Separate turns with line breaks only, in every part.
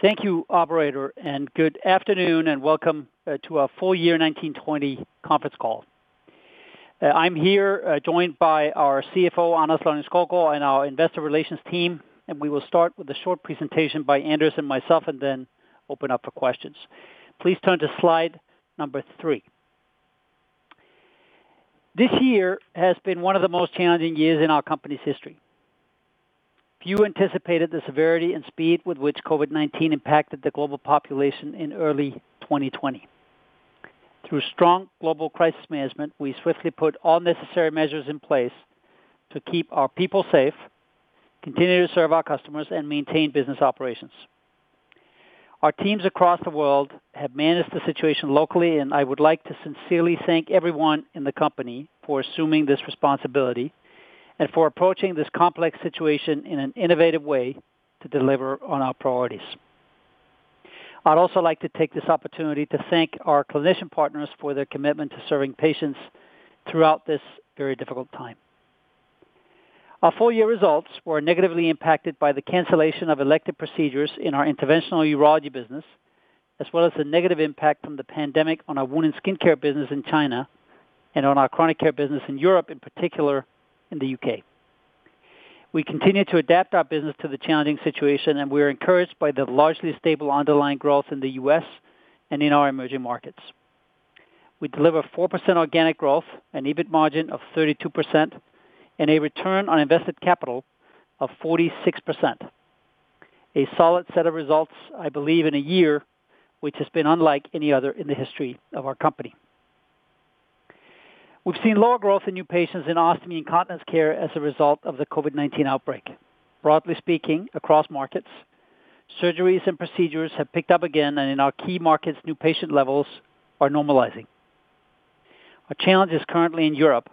Thank you operator. Good afternoon and welcome to our full year 2019/2020 conference call. I am here joined by our CFO, Anders Lonning-Skovgaard, and our investor relations team, and we will start with a short presentation by Anders and myself and then open up for questions. Please turn to slide number three. This year has been one of the most challenging years in our company's history. Few anticipated the severity and speed with which COVID-19 impacted the global population in early 2020. Through strong global crisis management, we swiftly put all necessary measures in place to keep our people safe, continue to serve our customers and maintain business operations. Our teams across the world have managed the situation locally. I would like to sincerely thank everyone in the company for assuming this responsibility and for approaching this complex situation in an innovative way to deliver on our priorities. I'd also like to take this opportunity to thank our clinician partners for their commitment to serving patients throughout this very difficult time. Our full-year results were negatively impacted by the cancellation of elective procedures in our interventional urology business, as well as the negative impact from the pandemic on our wound and skincare business in China and on our chronic care business in Europe, in particular in the U.K. We continue to adapt our business to the challenging situation, and we're encouraged by the largely stable underlying growth in the U.S. and in our emerging markets. We deliver 4% organic growth and EBIT margin of 32%, and a return on invested capital of 46%. A solid set of results, I believe, in a year which has been unlike any other in the history of our company. We've seen lower growth in new patients in ostomy and continence care as a result of the COVID-19 outbreak. Broadly speaking, across markets, surgeries and procedures have picked up again, and in our key markets, new patient levels are normalizing. Our challenge is currently in Europe,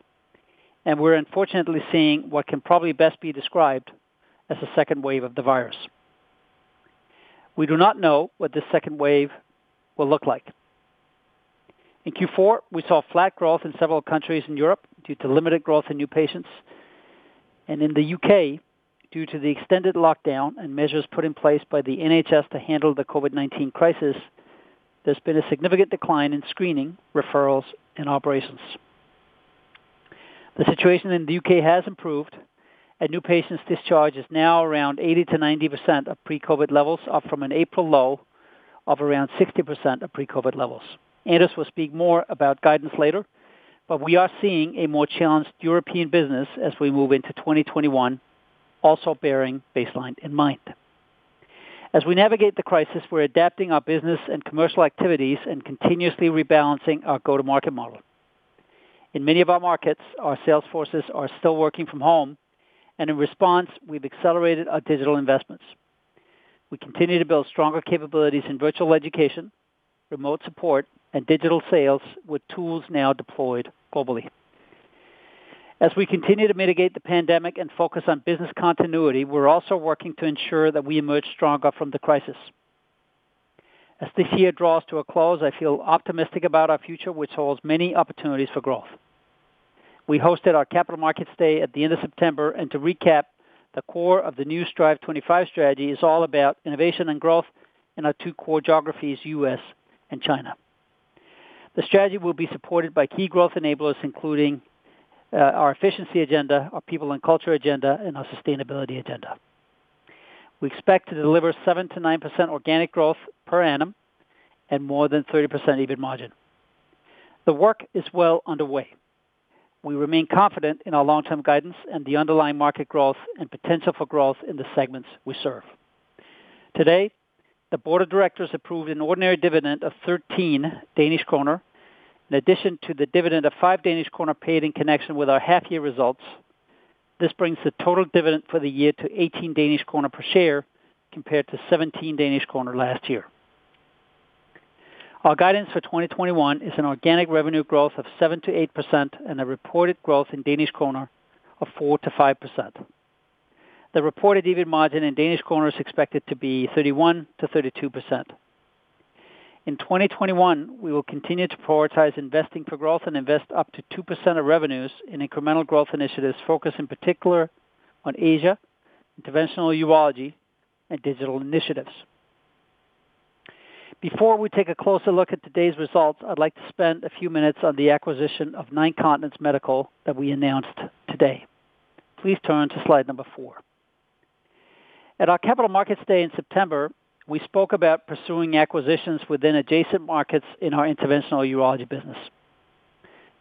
and we're unfortunately seeing what can probably best be described as a second wave of the virus. We do not know what this second wave will look like. In Q4, we saw flat growth in several countries in Europe due to limited growth in new patients, and in the U.K., due to the extended lockdown and measures put in place by the NHS to handle the COVID-19 crisis, there's been a significant decline in screening, referrals, and operations. The situation in the U.K. has improved, and new patients discharge is now around 80%-90% of pre-COVID levels, up from an April low of around 60% of pre-COVID levels. Anders will speak more about guidance later, but we are seeing a more challenged European business as we move into 2021, also bearing baseline in mind. As we navigate the crisis, we're adapting our business and commercial activities and continuously rebalancing our go-to-market model. In many of our markets, our sales forces are still working from home, and in response, we've accelerated our digital investments. We continue to build stronger capabilities in virtual education, remote support, and digital sales with tools now deployed globally. As we continue to mitigate the pandemic and focus on business continuity, we're also working to ensure that we emerge stronger from the crisis. As this year draws to a close, I feel optimistic about our future, which holds many opportunities for growth. We hosted our Capital Markets Day at the end of September, and to recap, the core of the new Strive25 strategy is all about innovation and growth in our two core geographies, U.S. and China. The strategy will be supported by key growth enablers, including our efficiency agenda, our people and culture agenda, and our sustainability agenda. We expect to deliver 7%-9% organic growth per annum and more than 30% EBIT margin. The work is well underway. We remain confident in our long-term guidance and the underlying market growth and potential for growth in the segments we serve. Today, the board of directors approved an ordinary dividend of 13 Danish kroner. In addition to the dividend of 5 Danish kroner paid in connection with our half-year results, this brings the total dividend for the year to 18 Danish kroner per share, compared to 17 Danish kroner last year. Our guidance for 2021 is an organic revenue growth of 7%-8% and a reported growth in Danish kroner of 4%-5%. The reported EBIT margin in Danish kroner is expected to be 31%-32%. In 2021, we will continue to prioritize investing for growth and invest up to 2% of revenues in incremental growth initiatives, focused in particular on Asia, interventional urology, and digital initiatives. Before we take a closer look at today's results, I'd like to spend a few minutes on the acquisition of Nine Continents Medical that we announced today. Please turn to slide number four. At our Capital Markets Day in September, we spoke about pursuing acquisitions within adjacent markets in our interventional urology business.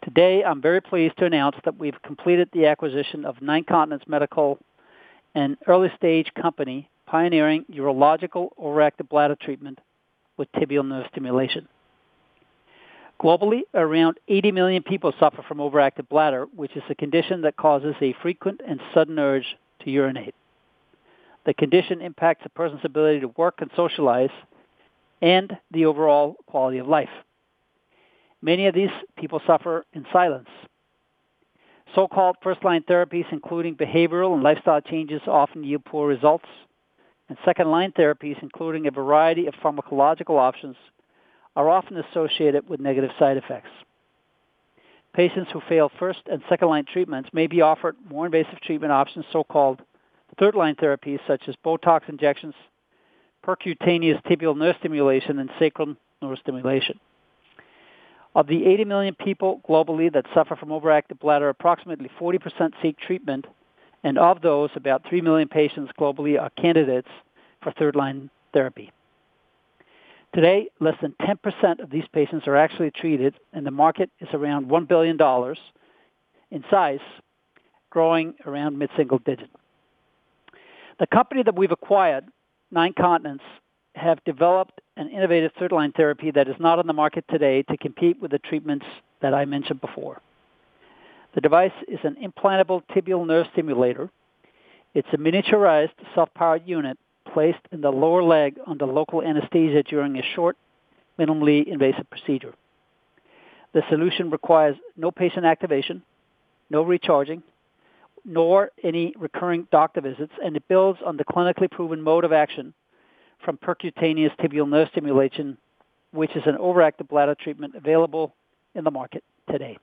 Today, I'm very pleased to announce that we've completed the acquisition of Nine Continents Medical, an early-stage company pioneering urological overactive bladder treatment with tibial nerve stimulation. Globally, around 80 million people suffer from overactive bladder, which is a condition that causes a frequent and sudden urge to urinate. The condition impacts a person's ability to work and socialize and the overall quality of life. Many of these people suffer in silence. So-called first-line therapies, including behavioral and lifestyle changes, often yield poor results, and second-line therapies, including a variety of pharmacological options, are often associated with negative side effects. Patients who fail first and second-line treatments may be offered more invasive treatment options, so-called third-line therapies such as Botox injections, percutaneous tibial nerve stimulation, and sacral nerve stimulation. Of the 80 million people globally that suffer from overactive bladder, approximately 40% seek treatment, and of those, about 3 million patients globally are candidates for third-line therapy. Today, less than 10% of these patients are actually treated, and the market is around DKK 1 billion in size, growing around mid single-digit. The company that we've acquired, Nine Continents, have developed an innovative third-line therapy that is not on the market today to compete with the treatments that I mentioned before. The device is an implantable tibial nerve stimulator. It's a miniaturized self-powered unit placed in the lower leg under local anesthesia during a short, minimally invasive procedure. The solution requires no patient activation, no recharging, nor any recurring doctor visits, and it builds on the clinically proven mode of action from percutaneous tibial nerve stimulation, which is an overactive bladder treatment available in the market today.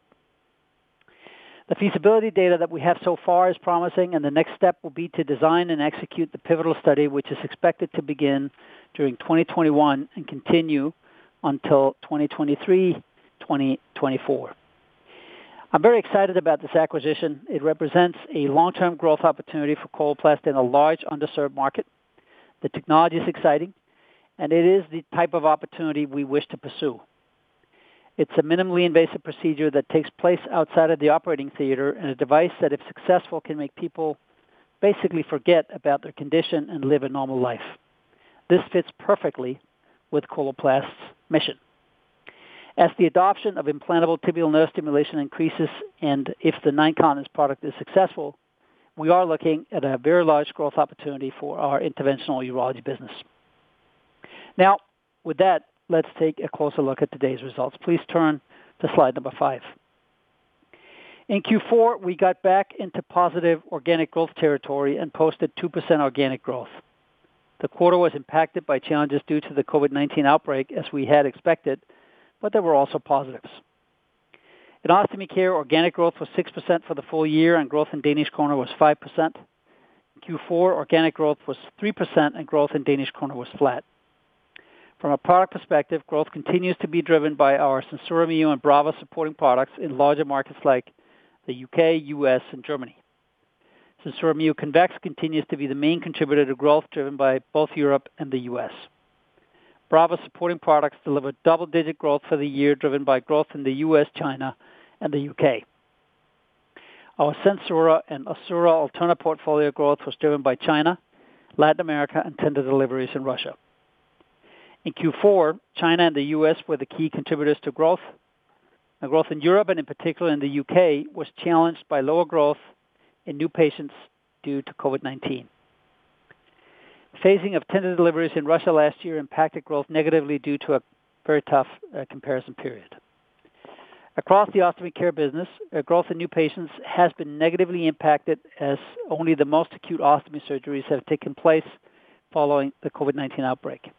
The feasibility data that we have so far is promising, and the next step will be to design and execute the pivotal study, which is expected to begin during 2021 and continue until 2023, 2024. I'm very excited about this acquisition. It represents a long-term growth opportunity for Coloplast in a large underserved market. The technology is exciting, and it is the type of opportunity we wish to pursue. It's a minimally invasive procedure that takes place outside of the operating theater and a device that, if successful, can make people basically forget about their condition and live a normal life. This fits perfectly with Coloplast's mission. As the adoption of implantable tibial nerve stimulation increases, and if the Nine Continents product is successful, we are looking at a very large growth opportunity for our interventional urology business. With that, let's take a closer look at today's results. Please turn to slide number five. In Q4, we got back into positive organic growth territory and posted 2% organic growth. The quarter was impacted by challenges due to the COVID-19 outbreak, as we had expected, but there were also positives. In Ostomy Care, organic growth was 6% for the full year, and growth in Danish kroner was 5%. In Q4, organic growth was 3%, and growth in Danish kroner was flat. From a product perspective, growth continues to be driven by our SenSura Mio and Brava supporting products in larger markets like the U.K., U.S., and Germany. SenSura Mio Convex continues to be the main contributor to growth driven by both Europe and the U.S. Brava supporting products delivered double-digit growth for the year driven by growth in the U.S., China, and the U.K. Our SenSura and Assura Alterna portfolio growth was driven by China, Latin America, and tender deliveries in Russia. In Q4, China and the U.S. were the key contributors to growth. The growth in Europe, and in particular in the U.K., was challenged by lower growth in new patients due to COVID-19. Phasing of tender deliveries in Russia last year impacted growth negatively due to a very tough comparison period. Across the Ostomy Care business, growth in new patients has been negatively impacted as only the most acute ostomy surgeries have taken place following the COVID-19 outbreak.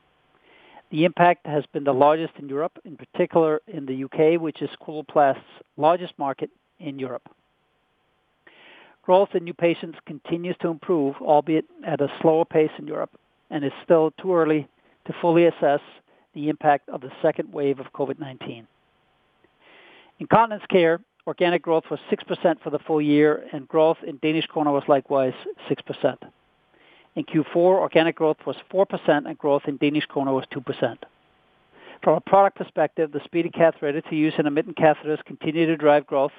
The impact has been the largest in Europe, in particular in the U.K., which is Coloplast's largest market in Europe. Growth in new patients continues to improve, albeit at a slower pace in Europe, and it's still too early to fully assess the impact of the second wave of COVID-19. In Continence Care, organic growth was 6% for the full year, and growth in Danish kroner was likewise 6%. In Q4, organic growth was 4%, and growth in Danish kroner was 2%. From a product perspective, the SpeediCath ready-to-use intermittent catheters continue to drive growth.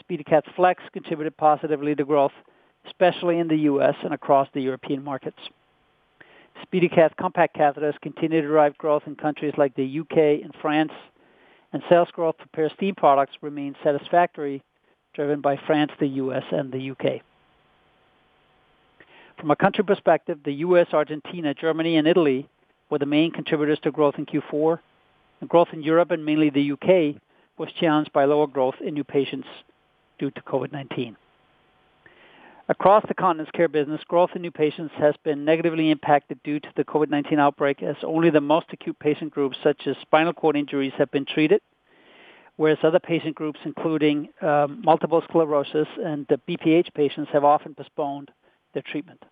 SpeediCath Flex contributed positively to growth, especially in the U.S. and across the European markets. SpeediCath Compact catheters continue to drive growth in countries like the U.K. and France, and sales growth for Peristeen products remains satisfactory, driven by France, the U.S., and the U.K. From a country perspective, the U.S., Argentina, Germany, and Italy were the main contributors to growth in Q4. The growth in Europe, and mainly the U.K., was challenged by lower growth in new patients due to COVID-19. Across the Continence Care business, growth in new patients has been negatively impacted due to the COVID-19 outbreak, as only the most acute patient groups, such as spinal cord injuries, have been treated, whereas other patient groups, including multiple sclerosis and the BPH patients, have often postponed their treatment.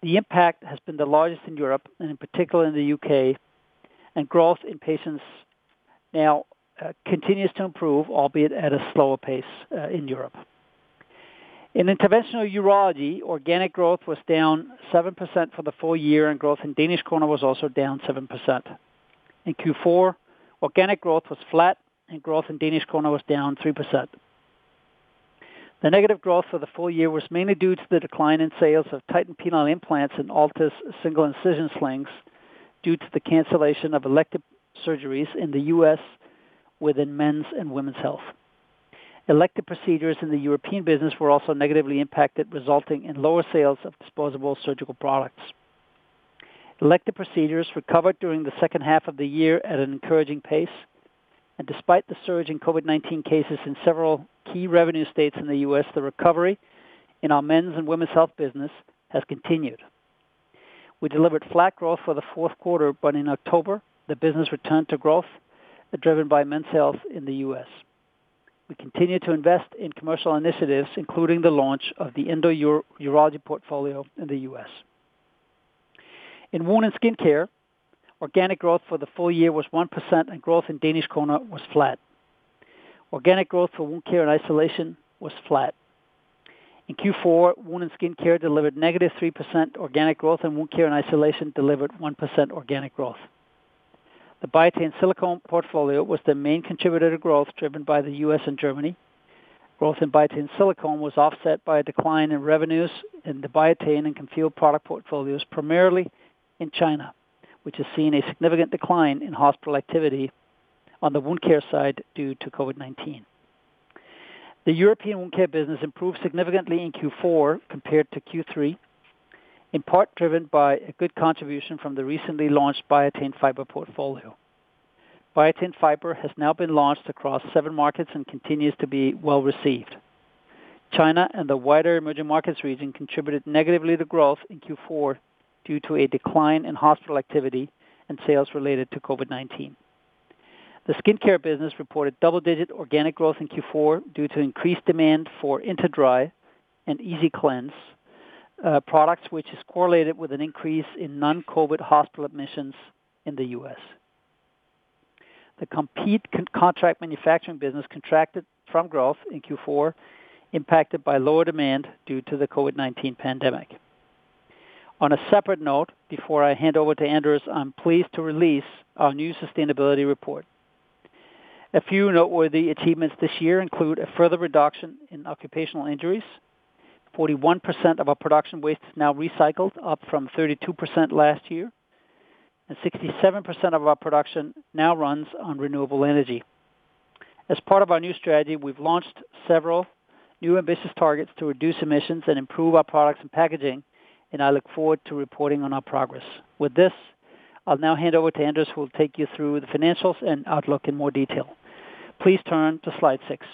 The impact has been the largest in Europe, and in particular in the U.K., and growth in patients now continues to improve, albeit at a slower pace in Europe. In Interventional Urology, organic growth was down 7% for the full year, and growth in Danish kroner was also down 7%. In Q4, organic growth was flat and growth in Danish kroner was down 3%. The negative growth for the full year was mainly due to the decline in sales of Titan penile implants and Altis single-incision slings due to the cancellation of elective surgeries in the U.S. within men's and women's health. Elective procedures in the European business were also negatively impacted, resulting in lower sales of disposable surgical products. Elective procedures recovered during the second half of the year at an encouraging pace. Despite the surge in COVID-19 cases in several key revenue states in the U.S., the recovery in our men's and women's health business has continued. We delivered flat growth for the fourth quarter, but in October, the business returned to growth, driven by Men's Health in the U.S. We continue to invest in commercial initiatives, including the launch of the Endourology portfolio in the U.S. In wound and skin care, organic growth for the full year was 1%, and growth in Danish kroner was flat. Organic growth for Wound Care and isolation was flat. In Q4, wound and skin care delivered -3% organic growth, and Wound Care and isolation delivered 1% organic growth. The Biatain Silicone portfolio was the main contributor to growth driven by the U.S. and Germany. Growth in Biatain Silicone was offset by a decline in revenues in the Biatain and Comfeel product portfolios, primarily in China, which has seen a significant decline in hospital activity on the Wound Care side due to COVID-19. The European Wound Care business improved significantly in Q4 compared to Q3, in part driven by a good contribution from the recently launched Biatain Fiber portfolio. Biatain Fiber has now been launched across seven markets and continues to be well-received. China and the wider emerging markets region contributed negatively to growth in Q4 due to a decline in hospital activity and sales related to COVID-19. The skincare business reported double-digit organic growth in Q4 due to increased demand for InterDry and EasiCleanse products, which is correlated with an increase in non-COVID hospital admissions in the U.S. The Compeed contract manufacturing business contracted from growth in Q4, impacted by lower demand due to the COVID-19 pandemic. On a separate note, before I hand over to Anders, I'm pleased to release our new sustainability report. A few noteworthy achievements this year include a further reduction in occupational injuries. 41% of our production waste is now recycled, up from 32% last year, 67% of our production now runs on renewable energy. As part of our new strategy, we've launched several new ambitious targets to reduce emissions and improve our products and packaging, and I look forward to reporting on our progress. With this, I'll now hand over to Anders, who will take you through the financials and outlook in more detail. Please turn to Slide six.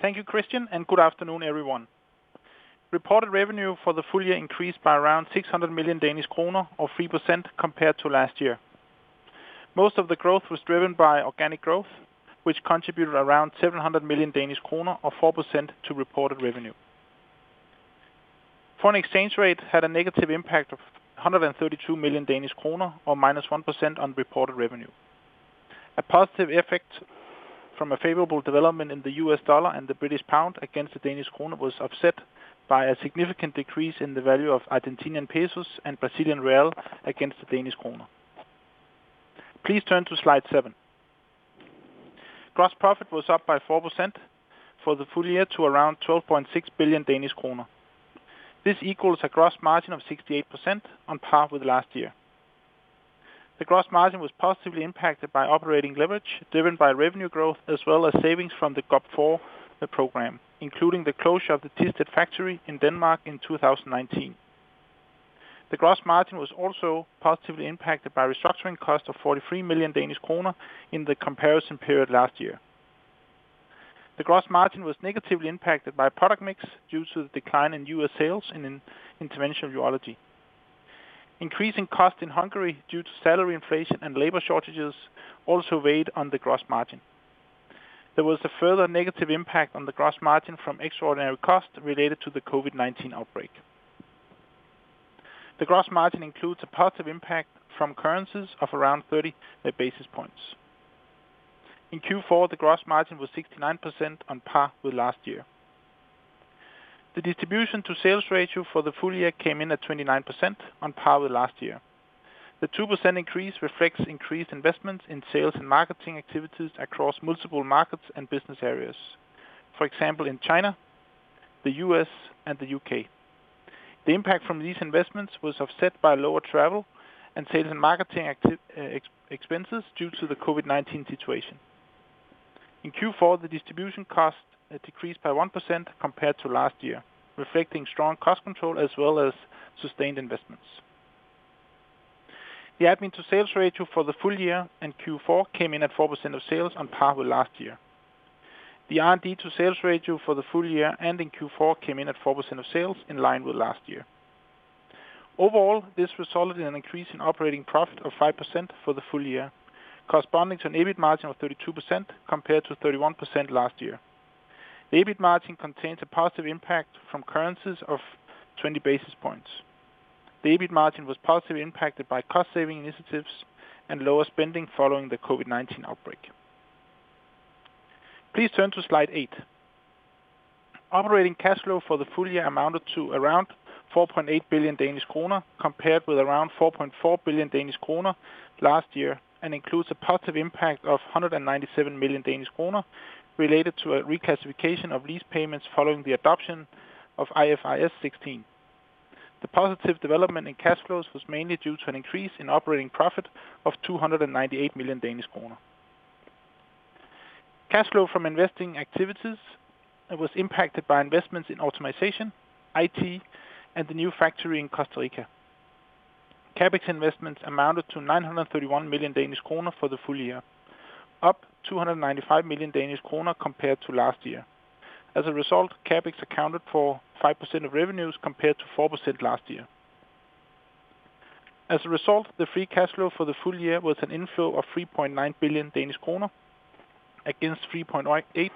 Thank you, Kristian. Good afternoon, everyone. Reported revenue for the full year increased by around 600 million Danish kroner or 3% compared to last year. Most of the growth was driven by organic growth, which contributed around 700 million Danish kroner or 4% to reported revenue. Foreign exchange rate had a negative impact of 132 million Danish kroner or minus 1% on reported revenue. A positive effect from a favorable development in the US dollar and the British pound against the Danish krone was offset by a significant decrease in the value of Argentinian pesos and Brazilian real against the Danish krone. Please turn to Slide seven. Gross profit was up by 4% for the full year to around 12.6 billion Danish kroner. This equals a gross margin of 68% on par with last year. The gross margin was positively impacted by operating leverage driven by revenue growth as well as savings from the GOP4 program, including the closure of the Thisted factory in Denmark in 2019. The gross margin was also positively impacted by restructuring cost of 43 million Danish kroner in the comparison period last year. The gross margin was negatively impacted by product mix due to the decline in U.S. sales and in interventional urology. Increasing cost in Hungary due to salary inflation and labor shortages also weighed on the gross margin. There was a further negative impact on the gross margin from extraordinary costs related to the COVID-19 outbreak. The gross margin includes a positive impact from currencies of around 30 basis points. In Q4, the gross margin was 69% on par with last year. The distribution to sales ratio for the full year came in at 29% on par with last year. The 2% increase reflects increased investments in sales and marketing activities across multiple markets and business areas. For example, in China, the U.S., and the U.K. The impact from these investments was offset by lower travel and sales and marketing expenses due to the COVID-19 situation. In Q4, the distribution cost decreased by 1% compared to last year, reflecting strong cost control as well as sustained investments. The admin to sales ratio for the full year and Q4 came in at 4% of sales on par with last year. The R&D to sales ratio for the full year ending Q4 came in at 4% of sales in line with last year. Overall, this resulted in an increase in operating profit of 5% for the full year, corresponding to an EBIT margin of 32% compared to 31% last year. The EBIT margin contains a positive impact from currencies of 20 basis points. The EBIT margin was positively impacted by cost-saving initiatives and lower spending following the COVID-19 outbreak. Please turn to Slide eight. Operating cash flow for the full year amounted to around 4.8 billion Danish kroner, compared with around 4.4 billion Danish kroner last year and includes a positive impact of 197 million Danish kroner related to a reclassification of lease payments following the adoption of IFRS 16. The positive development in cash flows was mainly due to an increase in operating profit of 298 million Danish kroner. Cash flow from investing activities was impacted by investments in automatization, IT, and the new factory in Costa Rica. CapEx investments amounted to 931 million Danish kroner for the full year, up 295 million Danish kroner compared to last year. As a result, CapEx accounted for 5% of revenues compared to 4% last year. As a result, the free cash flow for the full year was an inflow of 3.9 billion Danish kroner against 3.8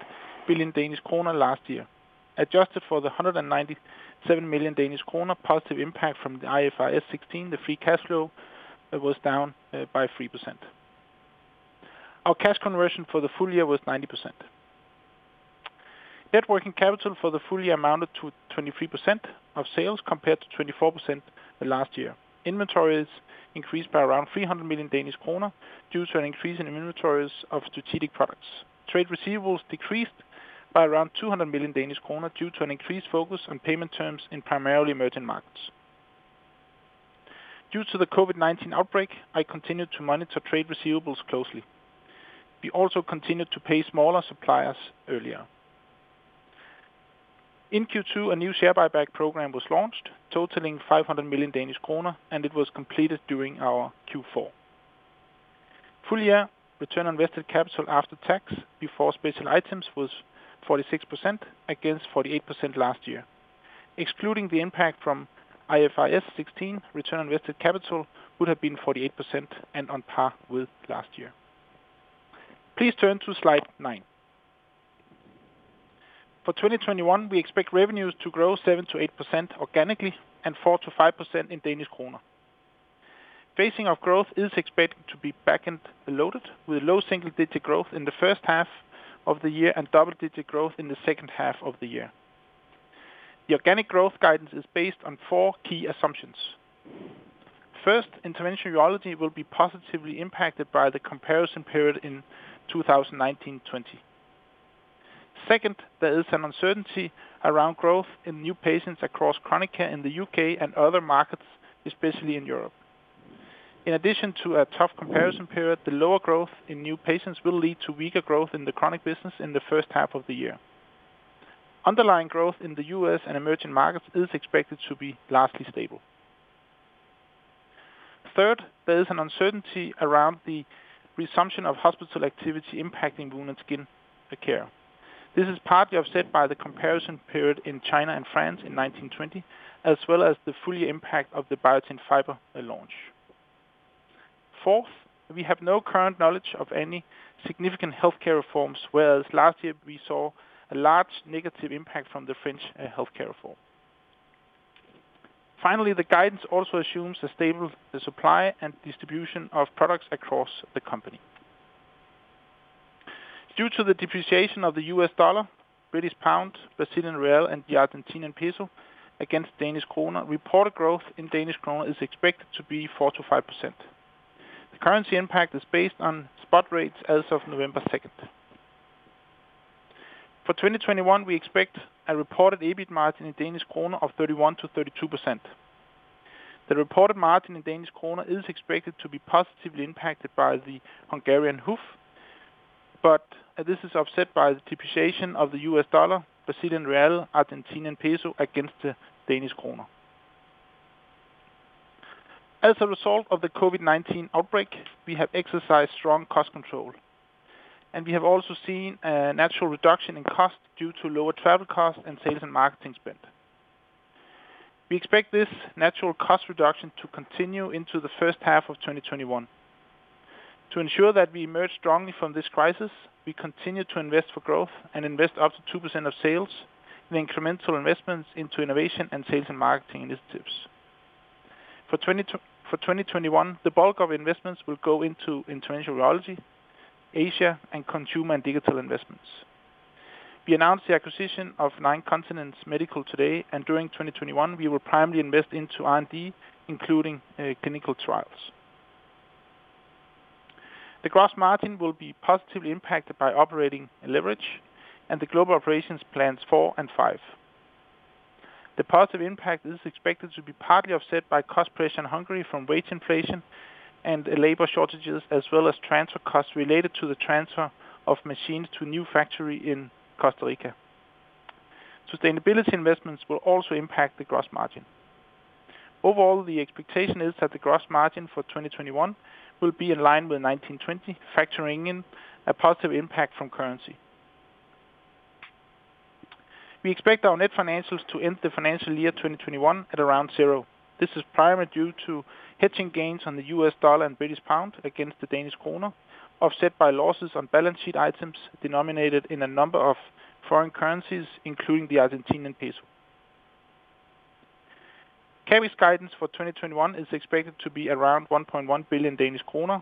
billion Danish kroner last year. Adjusted for the 197 million Danish kroner positive impact from the IFRS 16, the free cash flow was down by 3%. Our cash conversion for the full year was 90%. Net working capital for the full year amounted to 23% of sales compared to 24% last year. Inventories increased by around 300 million Danish kroner due to an increase in inventories of strategic products. Trade receivables decreased by around 200 million due to an increased focus on payment terms in primarily emerging markets. Due to the COVID-19 outbreak, I continued to monitor trade receivables closely. We also continued to pay smaller suppliers earlier. In Q2, a new share buyback program was launched totaling 500 million Danish kroner, and it was completed during our Q4. Full year return on invested capital after tax before special items was 46% against 48% last year. Excluding the impact from IFRS 16, return on invested capital would have been 48% and on par with last year. Please turn to slide nine. For 2021, we expect revenues to grow 7%-8% organically and 4%-5% in DKK. Phasing of growth is expected to be back-end loaded with low single-digit growth in the first half of the year and double-digit growth in the second half of the year. The organic growth guidance is based on four key assumptions. First, Interventional Urology will be positively impacted by the comparison period in 2019/20. Second, there is an uncertainty around growth in new patients across chronic care in the U.K. and other markets, especially in Europe. In addition to a tough comparison period, the lower growth in new patients will lead to weaker growth in the chronic business in the first half of the year. Underlying growth in the U.S. and emerging markets is expected to be largely stable. Third, there is an uncertainty around the resumption of hospital activity impacting wound and skin care. This is partly offset by the comparison period in China and France in 2019/2020, as well as the full year impact of the Biatain Fiber launch. Fourth, we have no current knowledge of any significant healthcare reforms, whereas last year we saw a large negative impact from the French healthcare reform. Finally, the guidance also assumes a stable supply and distribution of products across the company. Due to the depreciation of the U.S. dollar, British pound, Brazilian real, and the Argentinian peso against Danish kroner, reported growth in Danish kroner is expected to be 4%-5%. The currency impact is based on spot rates as of November 2nd. For 2021, we expect a reported EBIT margin in Danish kroner of 31%-32%. The reported margin in DKK is expected to be positively impacted by the Hungarian forint. This is offset by the depreciation of the U.S. dollar, Brazilian real, Argentine peso against the Danish kroner. As a result of the COVID-19 outbreak, we have exercised strong cost control. We have also seen a natural reduction in cost due to lower travel costs and sales and marketing spend. We expect this natural cost reduction to continue into the first half of 2021. To ensure that we emerge strongly from this crisis, we continue to invest for growth and invest up to 2% of sales in incremental investments into innovation and sales and marketing initiatives. For 2021, the bulk of investments will go into Interventional Urology, Asia, and consumer and digital investments. We announced the acquisition of Nine Continents Medical today. During 2021, we will primarily invest into R&D, including clinical trials. The gross margin will be positively impacted by operating leverage and the GOP4 and GOP5. The positive impact is expected to be partly offset by cost pressure in Hungary from wage inflation and labor shortages, as well as transfer costs related to the transfer of machines to a new factory in Costa Rica. Sustainability investments will also impact the gross margin. Overall, the expectation is that the gross margin for 2021 will be in line with 2019/2020, factoring in a positive impact from currency. We expect our net financials to end the financial year 2021 at around zero. This is primarily due to hedging gains on the U.S. dollar and British pound against the Danish kroner, offset by losses on balance sheet items denominated in a number of foreign currencies, including the Argentinian peso. CapEx guidance for 2021 is expected to be around 1.1 billion Danish kroner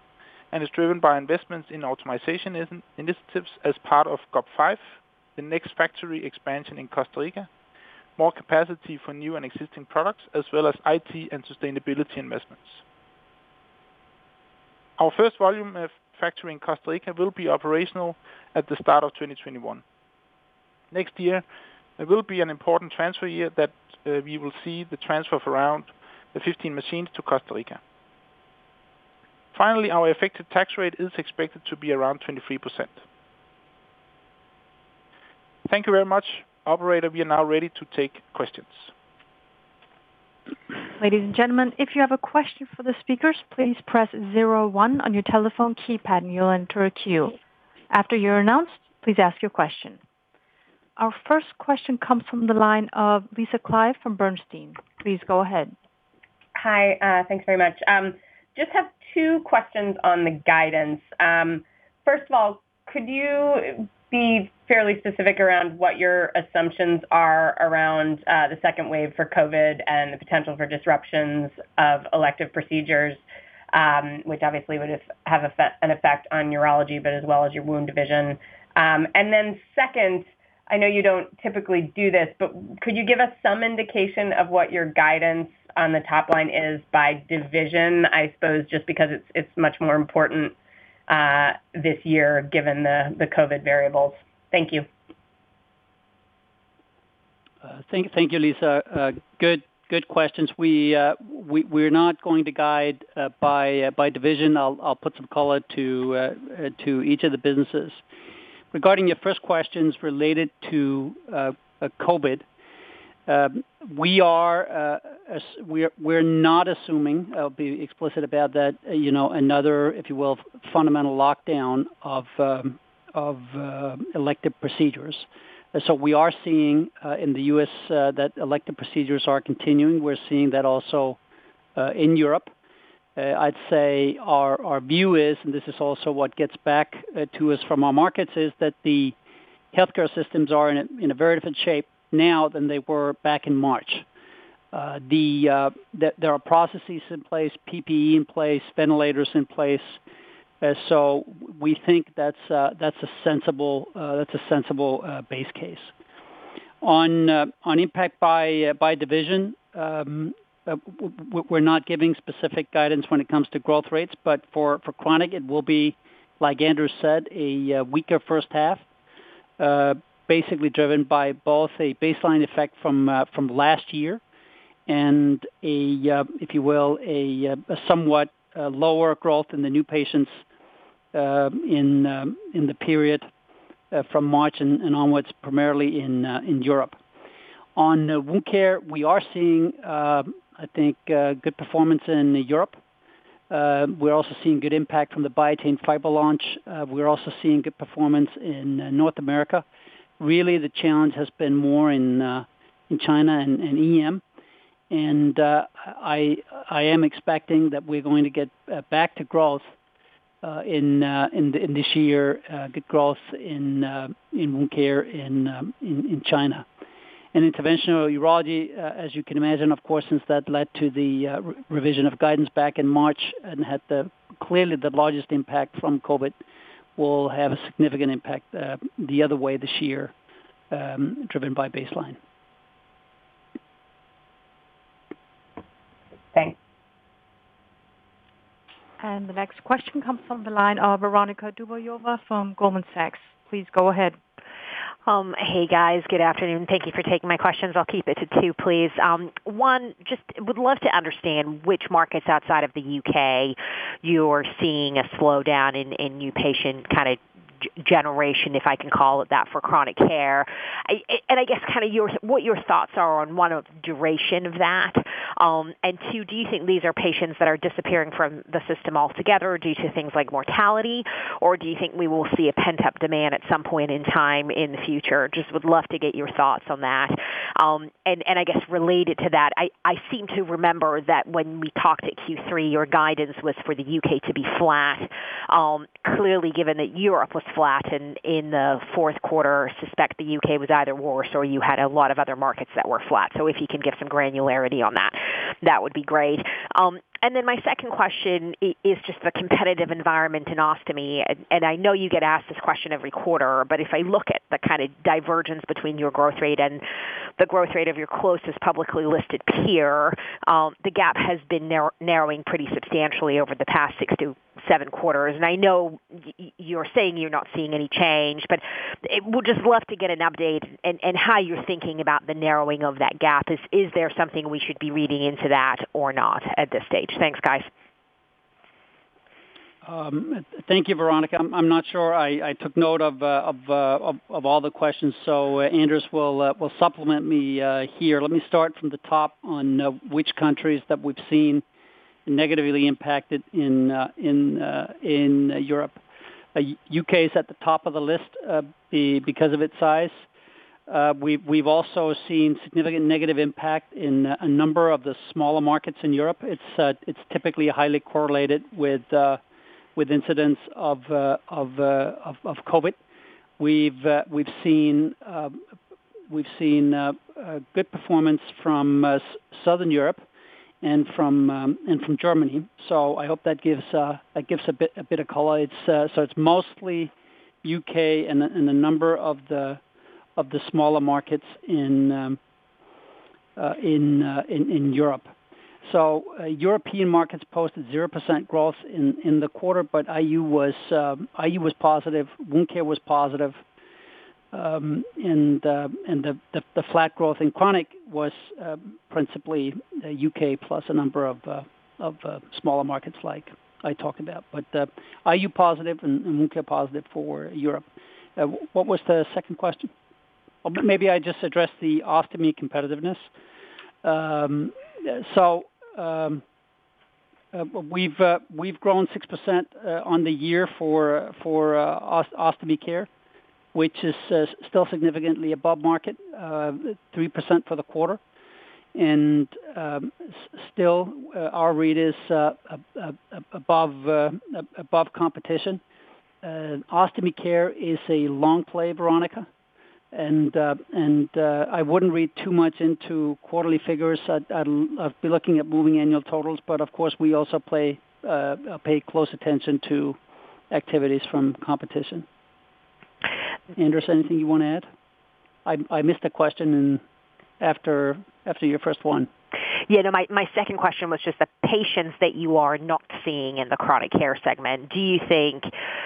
and is driven by investments in optimization initiatives as part of GOP5, the next factory expansion in Costa Rica, more capacity for new and existing products, as well as IT and sustainability investments. Our first volume factory in Costa Rica will be operational at the start of 2021. Next year will be an important transfer year that we will see the transfer of around 15 machines to Costa Rica. Finally, our effective tax rate is expected to be around 23%.
Thank you very much. Operator, we are now ready to take questions.
Ladies and gentlemen, if you have a question for the speakers, please press zero one on your telephone keypad, and you'll enter a queue. After you're announced, please ask your question. Our first question comes from the line of Lisa Clive from Bernstein. Please go ahead.
Hi. Thanks very much. Just have two questions on the guidance. First of all, could you be fairly specific around what your assumptions are around the second wave for COVID and the potential for disruptions of elective procedures, which obviously would have an effect on urology, but as well as your Wound Care division. Second, I know you don't typically do this, but could you give us some indication of what your guidance on the top line is by division? I suppose just because it's much more important this year given the COVID variables. Thank you.
Thank you, Lisa. Good questions. We're not going to guide by division. I'll put some color to each of the businesses. Regarding your first questions related to COVID-19. We're not assuming, I'll be explicit about that, another, if you will, fundamental lockdown of elective procedures. We are seeing in the U.S. that elective procedures are continuing. We're seeing that also in Europe. I'd say our view is, and this is also what gets back to us from our markets, is that the healthcare systems are in a very different shape now than they were back in March. There are processes in place, PPE in place, ventilators in place. We think that's a sensible base case. On impact by division, we're not giving specific guidance when it comes to growth rates, but for chronic, it will be, like Anders said, a weaker first half, basically driven by both a baseline effect from last year and a, if you will, a somewhat lower growth in the new patients in the period from March and onwards, primarily in Europe. On Wound Care, we are seeing, I think, good performance in Europe. We're also seeing good impact from the Biatain Fiber launch. We're also seeing good performance in North America. Really, the challenge has been more in China and EM, and I am expecting that we're going to get back to growth in this year, good growth in Wound Care in China. In interventional urology, as you can imagine, of course, since that led to the revision of guidance back in March and had clearly the largest impact from COVID, will have a significant impact the other way this year, driven by baseline.
Thanks.
The next question comes from the line of Veronika Dubajova from Goldman Sachs. Please go ahead.
Hey, guys. Good afternoon. Thank you for taking my questions. I'll keep it to two, please. One, just would love to understand which markets outside of the U.K. you're seeing a slowdown in new patient generation, if I can call it that, for chronic care. I guess, what your thoughts are on, one, duration of that. Two, do you think these are patients that are disappearing from the system altogether due to things like mortality, or do you think we will see a pent-up demand at some point in time in the future? Just would love to get your thoughts on that. I guess related to that, I seem to remember that when we talked at Q3, your guidance was for the U.K. to be flat. Clearly, given that Europe was flat in the fourth quarter, I suspect the U.K. was either worse or you had a lot of other markets that were flat. If you could give some granularity on that would be great. My second question is just the competitive environment in ostomy, and I know you get asked this question every quarter, but if I look at the kind of divergence between your growth rate and the growth rate of your closest publicly listed peer, the gap has been narrowing pretty substantially over the past six to seven quarters. I know you're saying you're not seeing any change, but would just love to get an update and how you're thinking about the narrowing of that gap. Is there something we should be reading into that or not at this stage? Thanks, guys.
Thank you, Veronika. I'm not sure I took note of all the questions. Anders will supplement me here. Let me start from the top on which countries that we've seen negatively impacted in Europe. U.K. is at the top of the list because of its size. We've also seen significant negative impact in a number of the smaller markets in Europe. It's typically highly correlated with incidents of COVID. We've seen good performance from Southern Europe and from Germany. I hope that gives a bit of color. It's mostly U.K. and a number of the smaller markets in Europe. European markets posted 0% growth in the quarter, but IU was positive. Wound Care was positive. The flat growth in chronic was principally U.K. plus a number of smaller markets like I talked about. IU positive and Wound Care positive for Europe. What was the second question? Maybe I just address the ostomy competitiveness. We've grown 6% on the year for Ostomy care, which is still significantly above market, 3% for the quarter. Still our read is above competition. Ostomy Care is a long play, Veronika, and I wouldn't read too much into quarterly figures. I'd be looking at moving annual totals, but of course, we also pay close attention to activities from competition. Anders, anything you want to add? I missed the question after your first one.
My second question was just the patients that you are not seeing in the chronic care segment, do you think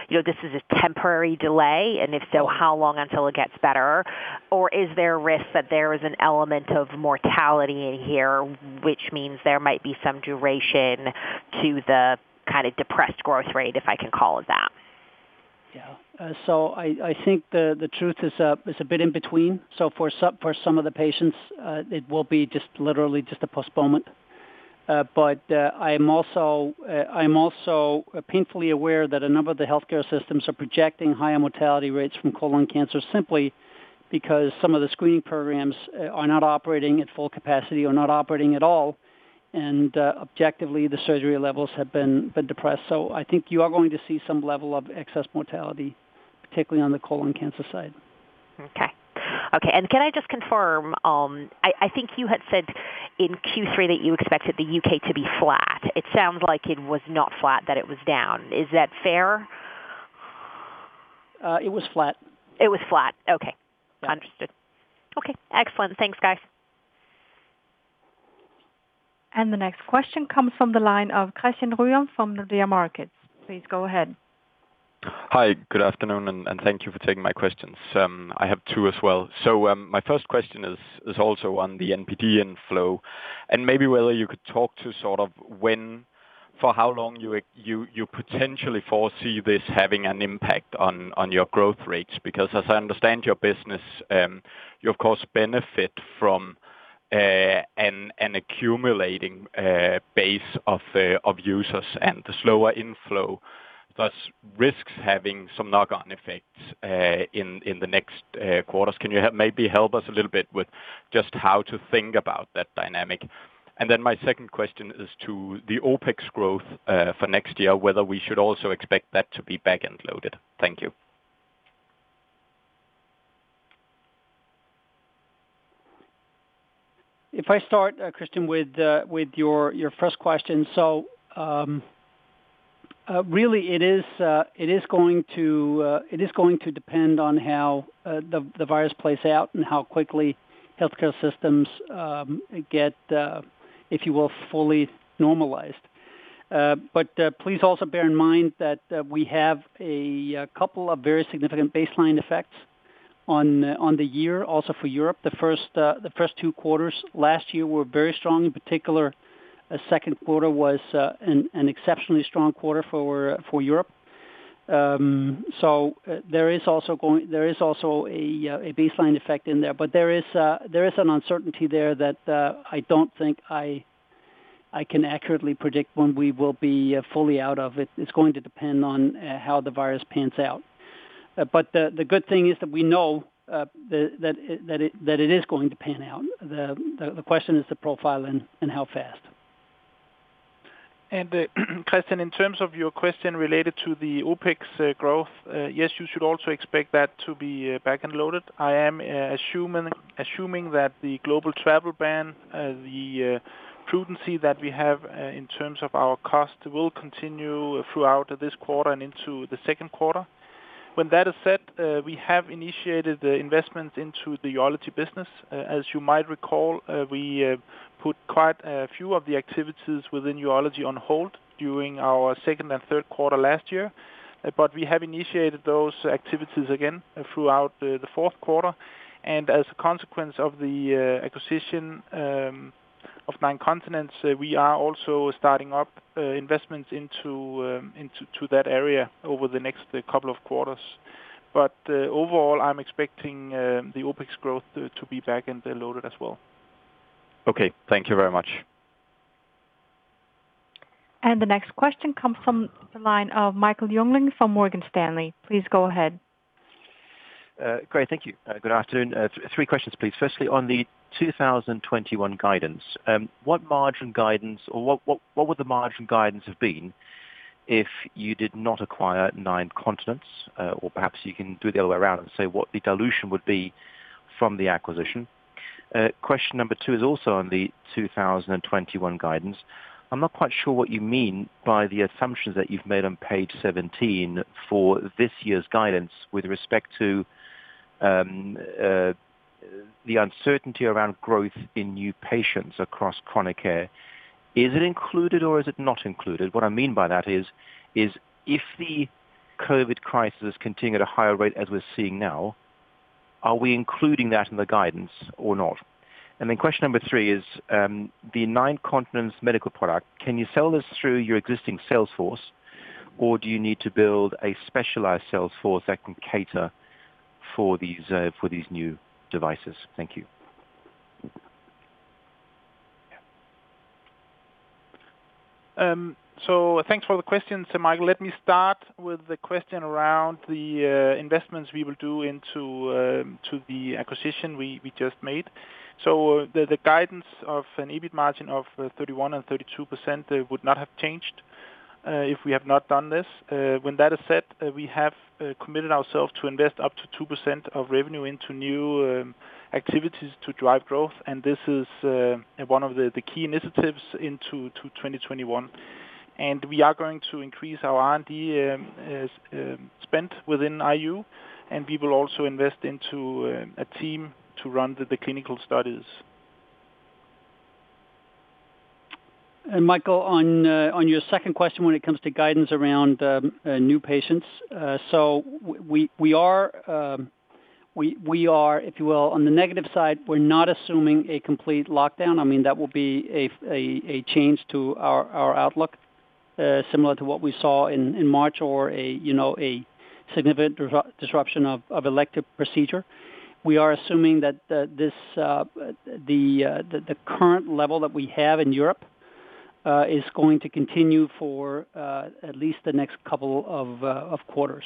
this is a temporary delay, and if so, how long until it gets better? Is there a risk that there is an element of mortality in here, which means there might be some duration to the kind of depressed growth rate, if I can call it that?
Yeah. I think the truth is a bit in between. For some of the patients, it will be just literally just a postponement. I am also painfully aware that a number of the healthcare systems are projecting higher mortality rates from colon cancer simply because some of the screening programs are not operating at full capacity or not operating at all. Objectively, the surgery levels have been depressed. I think you are going to see some level of excess mortality, particularly on the colon cancer side.
Okay. Can I just confirm, I think you had said in Q3 that you expected the U.K. to be flat. It sounds like it was not flat, that it was down. Is that fair?
It was flat.
It was flat. Okay.
Yeah.
Understood. Okay. Excellent. Thanks, guys.
The next question comes from the line of Christian Ryom from Nordea Markets. Please go ahead.
Hi, good afternoon, and thank you for taking my questions. I have two as well. My first question is also on the NPD inflow. Maybe whether you could talk to sort of when, for how long you potentially foresee this having an impact on your growth rates. Because as I understand your business, you of course benefit from an accumulating base of users and the slower inflow, thus risks having some knock-on effects in the next quarters. Can you maybe help us a little bit with just how to think about that dynamic? My second question is to the OpEx growth for next year, whether we should also expect that to be back-end loaded. Thank you.
I start, Christian, with your first question. Really it is going to depend on how the virus plays out and how quickly healthcare systems get, if you will, fully normalized. Please also bear in mind that we have a couple of very significant baseline effects on the year also for Europe. The first two quarters last year were very strong. In particular, second quarter was an exceptionally strong quarter for Europe. There is also a baseline effect in there. There is an uncertainty there that I don't think I can accurately predict when we will be fully out of it. It's going to depend on how the virus pans out. The good thing is that we know that it is going to pan out. The question is the profile and how fast.
Christian, in terms of your question related to the OpEx growth, yes, you should also expect that to be back-end loaded. I am assuming that the global travel ban, the prudency that we have in terms of our cost will continue throughout this quarter and into the second quarter. When that is said, we have initiated the investment into the urology business. As you might recall, we put quite a few of the activities within urology on hold during our second and third quarter last year. We have initiated those activities again throughout the fourth quarter. As a consequence of the acquisition of Nine Continents, we are also starting up investments into that area over the next couple of quarters. Overall, I'm expecting the OpEx growth to be back-end loaded as well.
Okay. Thank you very much.
The next question comes from the line of Michael Jüngling from Morgan Stanley. Please go ahead.
Great. Thank you. Good afternoon. Three questions, please. On the 2021 guidance, what margin guidance, or what would the margin guidance have been if you did not acquire Nine Continents? Perhaps you can do the other way around and say what the dilution would be from the acquisition. Question number 2 is also on the 2021 guidance. I'm not quite sure what you mean by the assumptions that you've made on page 17 for this year's guidance with respect to the uncertainty around growth in new patients across chronic care. Is it included or is it not included? What I mean by that is, if the COVID crisis continue at a higher rate as we're seeing now, are we including that in the guidance or not? Question number three is, the Nine Continents Medical product, can you sell this through your existing sales force, or do you need to build a specialized sales force that can cater for these new devices? Thank you.
Thanks for the questions, Michael. Let me start with the question around the investments we will do into the acquisition we just made. The guidance of an EBIT margin of 31% and 32% would not have changed if we have not done this. When that is said, we have committed ourselves to invest up to 2% of revenue into new activities to drive growth, and this is one of the key initiatives into 2021. We are going to increase our R&D spend within IU, and we will also invest into a team to run the clinical studies.
Michael, on your second question when it comes to guidance around new patients. We are, if you will, on the negative side, we are not assuming a complete lockdown. That would be a change to our outlook, similar to what we saw in March or a significant disruption of elective procedure. We are assuming that the current level that we have in Europe is going to continue for at least the next couple of quarters.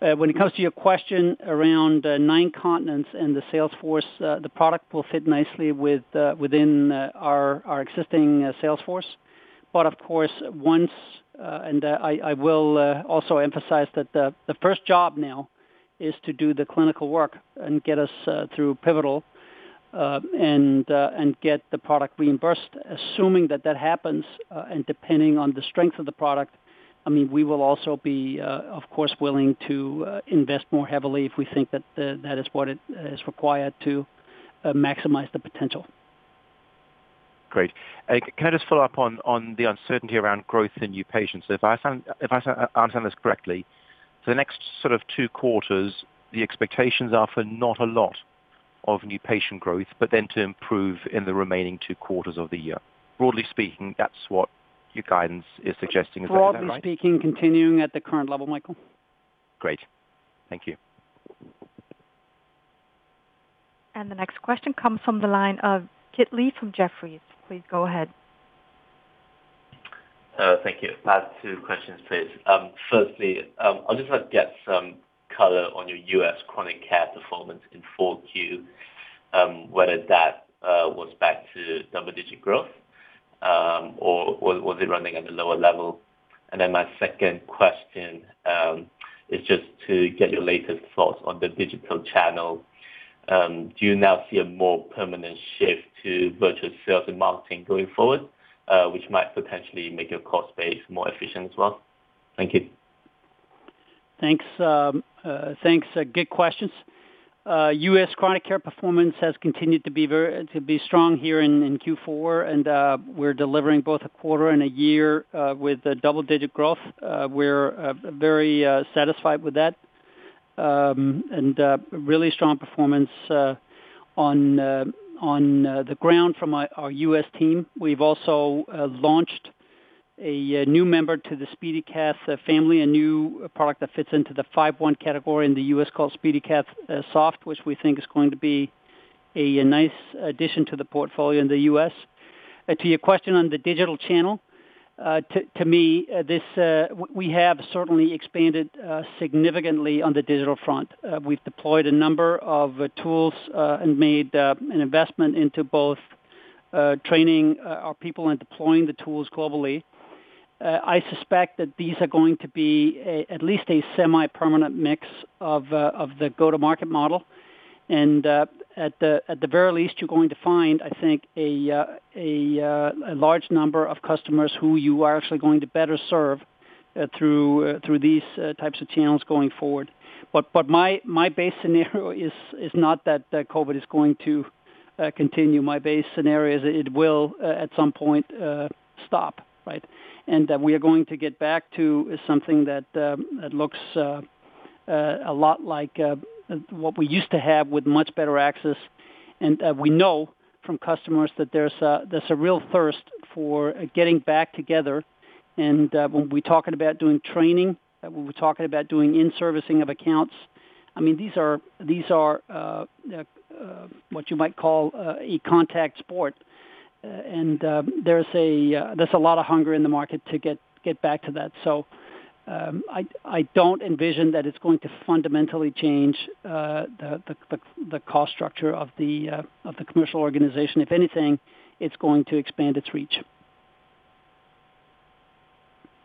When it comes to your question around Nine Continents and the sales force, the product will fit nicely within our existing sales force, but of course once I will also emphasize that the first job now is to do the clinical work and get us through pivotal, and get the product reimbursed. Assuming that happens, and depending on the strength of the product, we will also be, of course, willing to invest more heavily if we think that is what is required to maximize the potential.
Great. Can I just follow up on the uncertainty around growth in new patients? If I understand this correctly, for the next two quarters, the expectations are for not a lot of new patient growth, but then to improve in the remaining two quarters of the year. Broadly speaking, that's what your guidance is suggesting. Is that right?
Broadly speaking, continuing at the current level, Michael.
Great. Thank you.
The next question comes from the line of Kit Lee from Jefferies. Please go ahead.
Thank you. I have two questions, please. Firstly, I'll just like to get some color on your U.S. chronic care performance in 4Q, whether that was back to double-digit growth or was it running at a lower level? My second question is just to get your latest thoughts on the digital channel. Do you now see a more permanent shift to virtual sales and marketing going forward, which might potentially make your cost base more efficient as well? Thank you.
Thanks. Good questions. U.S. chronic care performance has continued to be strong here in Q4, and we're delivering both a quarter and a year with double-digit growth. We're very satisfied with that. Really strong performance on the ground from our U.S. team. We've also launched a new member to the SpeediCath family, a new product that fits into the 510(k) category in the U.S. called SpeediCath Soft, which we think is going to be a nice addition to the portfolio in the U.S. To your question on the digital channel, to me, we have certainly expanded significantly on the digital front. We've deployed a number of tools and made an investment into both training our people and deploying the tools globally. I suspect that these are going to be at least a semi-permanent mix of the go-to-market model. At the very least, you're going to find, I think, a large number of customers who you are actually going to better serve through these types of channels going forward. My base scenario is not that COVID is going to continue. My base scenario is it will, at some point, stop. Right? That we are going to get back to something that looks a lot like what we used to have with much better access. We know from customers that there's a real thirst for getting back together and when we're talking about doing training, when we're talking about doing in-servicing of accounts, these are what you might call a contact sport. There's a lot of hunger in the market to get back to that. I don't envision that it's going to fundamentally change the cost structure of the commercial organization. If anything, it's going to expand its reach.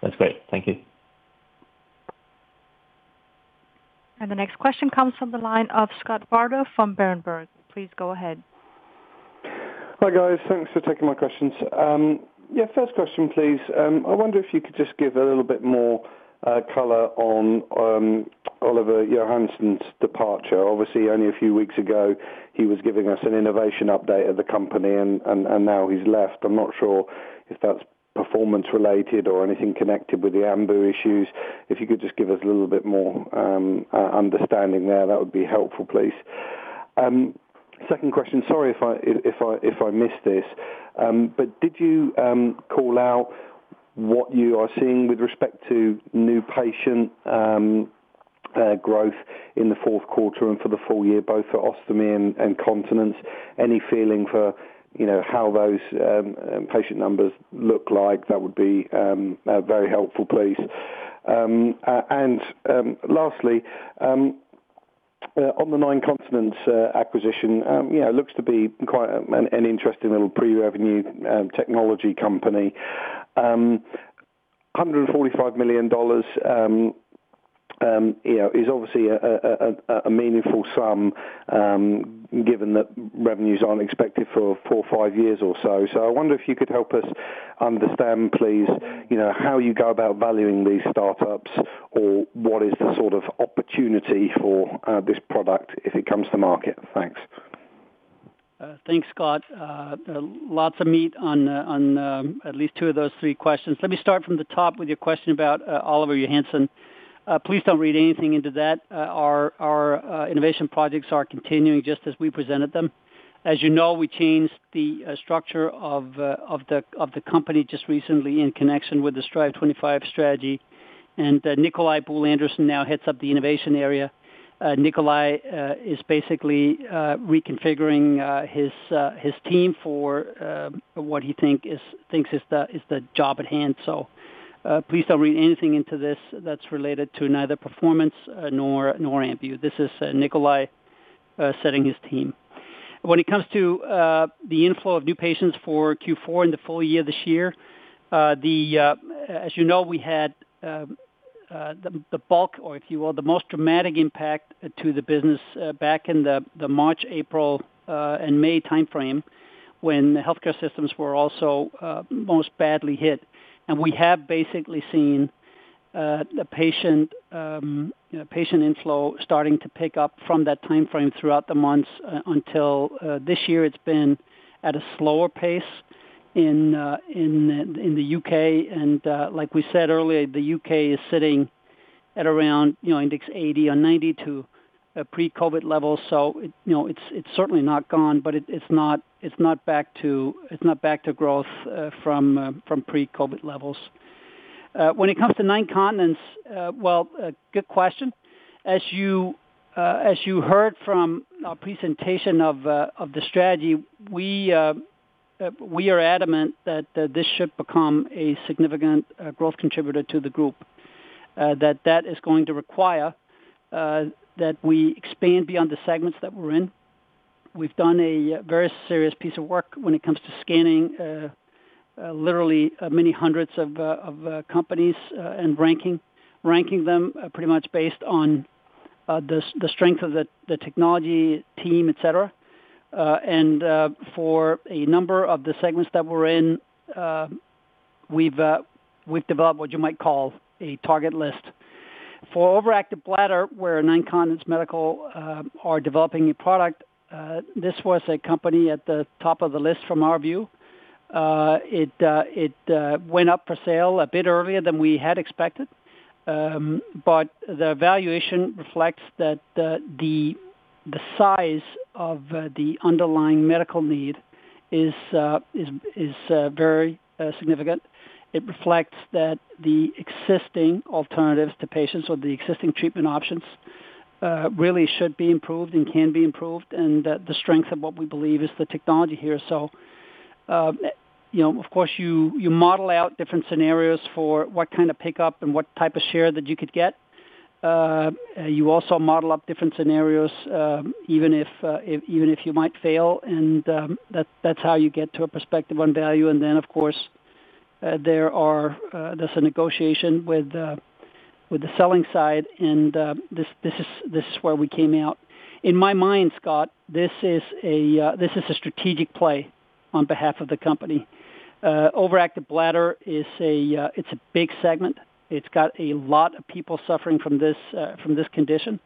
That's great. Thank you.
The next question comes from the line of Scott Bardo from Berenberg. Please go ahead.
Hi, guys. Thanks for taking my questions. Yeah, first question, please. I wonder if you could just give a little bit more color on Oliver Johansen's departure. Obviously, only a few weeks ago, he was giving us an innovation update of the company, and now he's left. I'm not sure if that's performance related or anything connected with the Ambu issues. If you could just give us a little bit more understanding there, that would be helpful, please. Second question. Sorry if I missed this, did you call out what you are seeing with respect to new patient growth in the fourth quarter and for the full year, both for ostomy and continence? Any feeling for how those patient numbers look like? That would be very helpful, please. Lastly, on the Nine Continents acquisition, it looks to be quite an interesting little pre-revenue technology company. DKK 145 million is obviously a meaningful sum, given that revenues aren't expected for four or five years or so. I wonder if you could help us understand, please, how you go about valuing these startups, or what is the sort of opportunity for this product if it comes to market. Thanks.
Thanks, Scott. Lots of meat on at least two of those three questions. Let me start from the top with your question about Oliver Johansen. Please don't read anything into that. Our innovation projects are continuing just as we presented them. As you know, we changed the structure of the company just recently in connection with the Strive25 strategy, and Nicolai Buhl Andersen now heads up the innovation area. Nicolai is basically reconfiguring his team for what he thinks is the job at hand. Please don't read anything into this that's related to neither performance nor Ambu. This is Nicolai setting his team. When it comes to the inflow of new patients for Q4 and the full year this year, as you know, we had the bulk, or if you will, the most dramatic impact to the business back in the March, April, and May timeframe when healthcare systems were also most badly hit. We have basically seen the patient inflow starting to pick up from that timeframe throughout the months until this year, it's been at a slower pace in the U.K. Like we said earlier, the U.K. is sitting at around index 80 or 90 to pre-COVID levels. It's certainly not gone, but it's not back to growth from pre-COVID levels. When it comes to Nine Continents, well, good question. As you heard from our presentation of the strategy, we are adamant that this should become a significant growth contributor to the group. That is going to require that we expand beyond the segments that we're in. We've done a very serious piece of work when it comes to scanning literally many hundreds of companies and ranking them pretty much based on the strength of the technology team, et cetera. For a number of the segments that we're in, we've developed what you might call a target list. For overactive bladder, where Nine Continents Medical are developing a product, this was a company at the top of the list from our view. It went up for sale a bit earlier than we had expected. The valuation reflects that the size of the underlying medical need is very significant. It reflects that the existing alternatives to patients or the existing treatment options really should be improved and can be improved, and the strength of what we believe is the technology here. Of course you model out different scenarios for what kind of pickup and what type of share that you could get. You also model up different scenarios, even if you might fail, and that's how you get to a perspective on value. Of course, there's a negotiation with the selling side, and this is where we came out. In my mind, Scott, this is a strategic play on behalf of the company. overactive bladder is a big segment. It's got a lot of people suffering from this condition,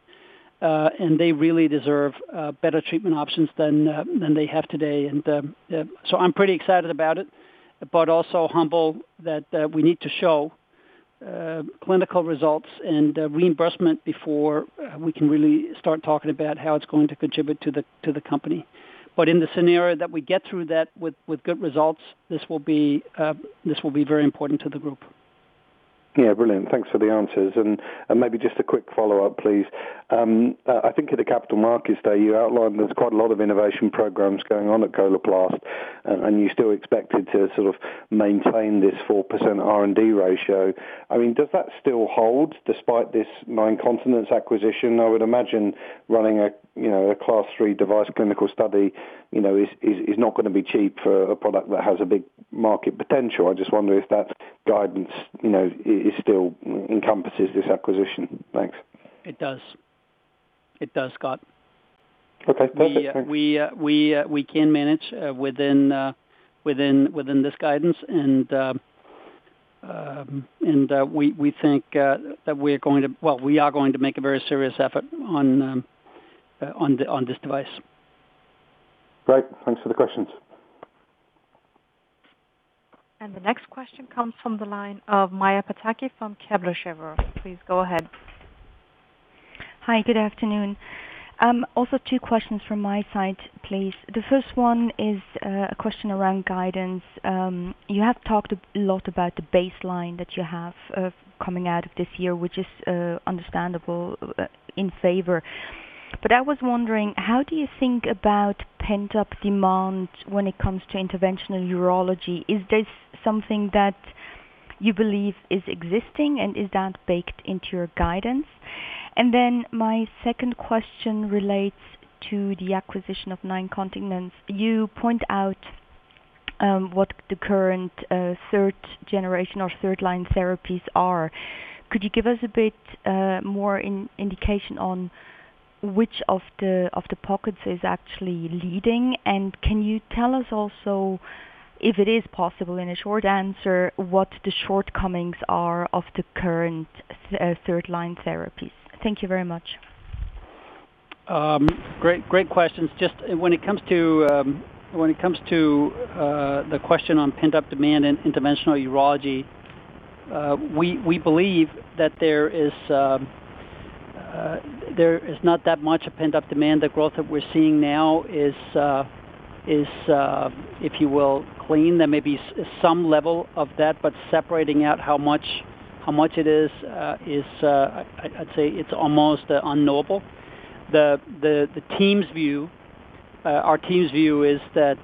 and they really deserve better treatment options than they have today. I'm pretty excited about it, but also humble that we need to show clinical results and reimbursement before we can really start talking about how it's going to contribute to the company. In the scenario that we get through that with good results, this will be very important to the group.
Yeah, brilliant. Thanks for the answers. Maybe just a quick follow-up, please. I think at the Capital Markets Day, you outlined there's quite a lot of innovation programs going on at Coloplast, and you still expected to sort of maintain this 4% R&D ratio. Does that still hold despite this Nine Continents acquisition? I would imagine running a Class III device clinical study is not going to be cheap for a product that has a big market potential. I just wonder if that guidance still encompasses this acquisition. Thanks.
It does. It does, Scott.
Okay. Perfect. Thanks.
We can manage within this guidance, and we think that we are going to make a very serious effort on this device.
Great. Thanks for the questions.
The next question comes from the line of Maja Pataki from Kepler Cheuvreux. Please go ahead.
Hi, good afternoon. Also two questions from my side, please. The first one is a question around guidance. You have talked a lot about the baseline that you have coming out of this year, which is understandable in favor. I was wondering, how do you think about pent-up demand when it comes to interventional urology? Is this something that you believe is existing, and is that baked into your guidance? My second question relates to the acquisition of Nine Continents. You point out what the current third-generation or third-line therapies are. Could you give us a bit more indication on which of the pockets is actually leading, and can you tell us also, if it is possible in a short answer, what the shortcomings are of the current third-line therapies? Thank you very much.
Great questions. When it comes to the question on pent-up demand and interventional urology, we believe that there is not that much a pent-up demand. The growth that we're seeing now is, if you will, clean. There may be some level of that, but separating out how much it is, I'd say it's almost unknowable. Our team's view is that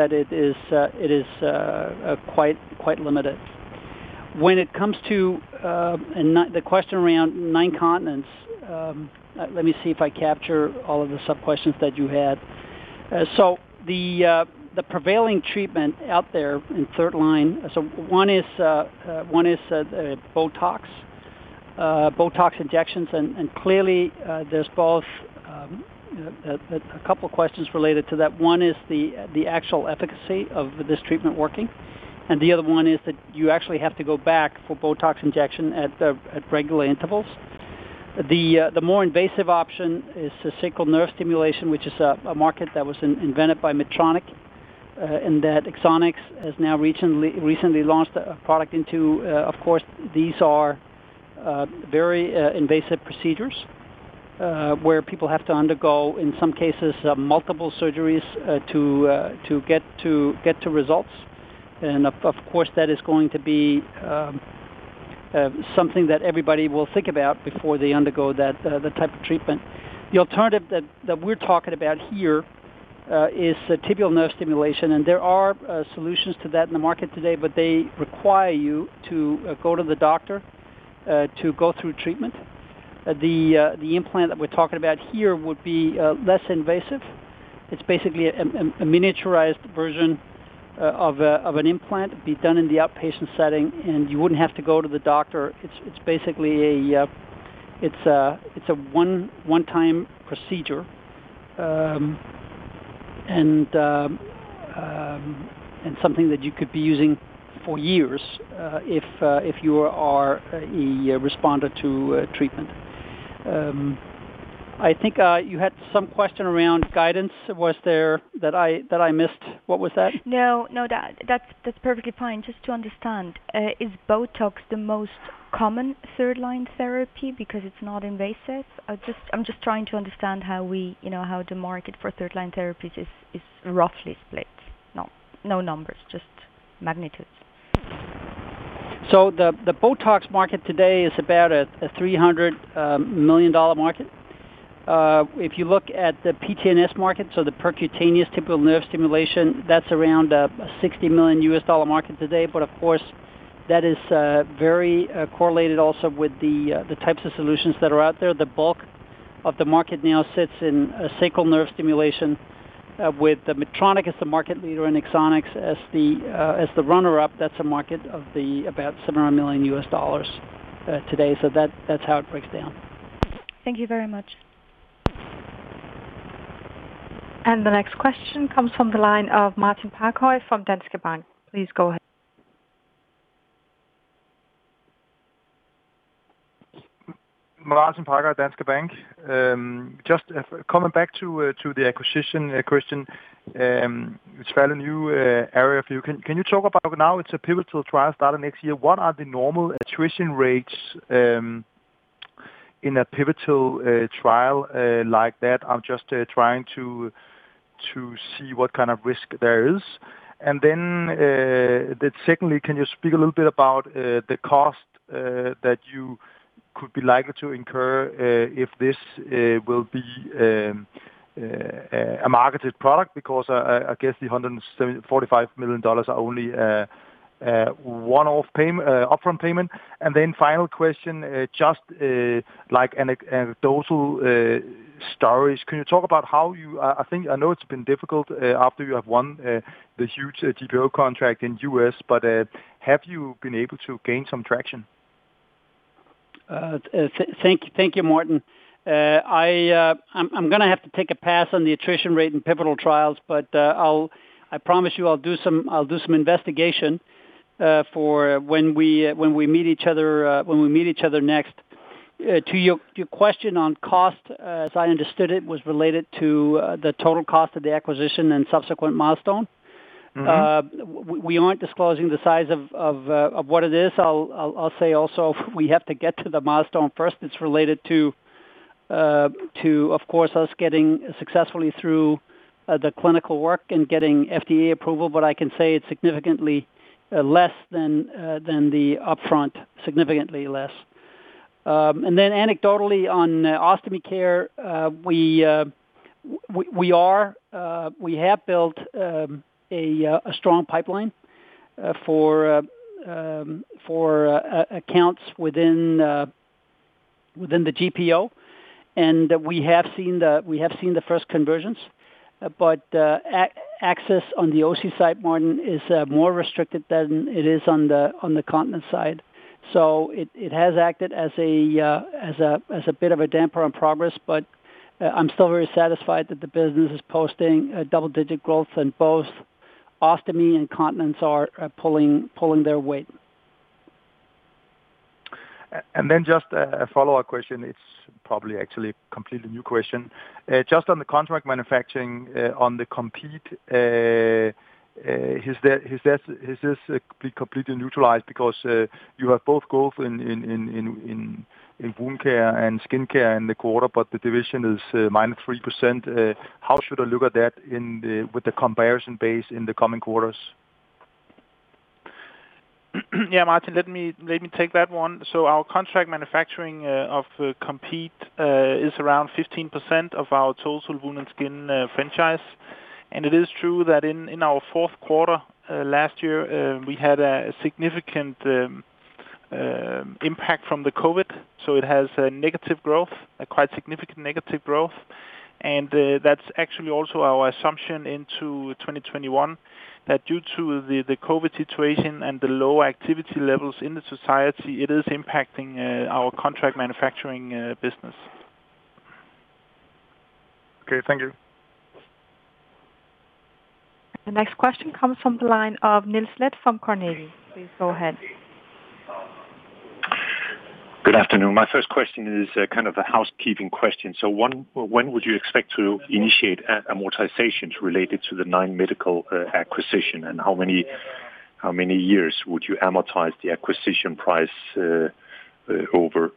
it is quite limited. When it comes to the question around Nine Continents, let me see if I capture all of the sub-questions that you had. The prevailing treatment out there in third line, one is Botox injections. Clearly, there's both a couple of questions related to that. One is the actual efficacy of this treatment working, and the other one is that you actually have to go back for Botox injection at regular intervals. The more invasive option is the sacral nerve stimulation, which is a market that was invented by Medtronic, and that Axonics has now recently launched a product into. Of course, these are very invasive procedures, where people have to undergo, in some cases, multiple surgeries to get to results. Of course, that is going to be something that everybody will think about before they undergo that type of treatment. The alternative that we're talking about here is tibial nerve stimulation, and there are solutions to that in the market today, but they require you to go to the doctor to go through treatment. The implant that we're talking about here would be less invasive. It's basically a miniaturized version of an implant. It'd be done in the outpatient setting, and you wouldn't have to go to the doctor. It's basically a one-time procedure, and something that you could be using for years if you are a responder to treatment. I think you had some question around guidance. Was there that I missed? What was that?
No, that's perfectly fine. Just to understand, is Botox the most common third-line therapy because it's not invasive? I'm just trying to understand how the market for third-line therapies is roughly split. No numbers, just magnitudes.
The Botox market today is about a $300 million market. If you look at the PTNS market, the percutaneous tibial nerve stimulation, that's around a $60 million market today. Of course, that is very correlated also with the types of solutions that are out there. The bulk of the market now sits in sacral nerve stimulation with Medtronic as the market leader and Axonics as the runner-up. That's a market of about $700 million today. That's how it breaks down.
Thank you very much.
The next question comes from the line of Martin Parkhøi from Danske Bank. Please go ahead.
Martin Parkhøi, Danske Bank. Just coming back to the acquisition question. It's a fairly new area for you. Can you talk about now it's a pivotal trial starting next year? What are the normal attrition rates in a pivotal trial like that? I'm just trying to see what kind of risk there is. Secondly, can you speak a little bit about the cost that you could be likely to incur if this will be a marketed product? Because I guess the DKK 145 million are only a one-off upfront payment. Final question, just like anecdotal stories, can you talk about how you I know it's been difficult after you have won this huge GPO contract in the U.S., but have you been able to gain some traction?
Thank you, Martin. I'm going to have to take a pass on the attrition rate in pivotal trials. I promise you I'll do some investigation for when we meet each other next. To your question on cost, as I understood it, was related to the total cost of the acquisition and subsequent milestone. We aren't disclosing the size of what it is. I'll say also, we have to get to the milestone first that's related to, of course, us getting successfully through the clinical work and getting FDA approval. I can say it's significantly less than the upfront, significantly less. Anecdotally on Ostomy Care, we have built a strong pipeline for accounts within the GPO, and we have seen the first conversions, but access on the OC side, Martin, is more restricted than it is on the continence side. It has acted as a bit of a damper on progress, but I'm still very satisfied that the business is posting double-digit growth and both ostomy and continence are pulling their weight.
Just a follow-up question. It is probably actually a completely new question. Just on the contract manufacturing, on the Compeed, has this been completely neutralized? You have both growth in Wound Care and skin care in the quarter, but the division is -3%. How should I look at that with the comparison base in the coming quarters?
Martin, let me take that one. Our contract manufacturing of Compeed is around 15% of our total wound and skin franchise. It is true that in our fourth quarter, last year, we had a significant impact from the COVID. It has a negative growth, a quite significant negative growth. That's actually also our assumption into 2021, that due to the COVID situation and the low activity levels in the society, it is impacting our contract manufacturing business.
Okay, thank you.
The next question comes from the line of Niels Leth from Carnegie. Please go ahead.
Good afternoon. My first question is kind of a housekeeping question. When would you expect to initiate amortizations related to the Nine Continents Medical acquisition, and how many years would you amortize the acquisition price over?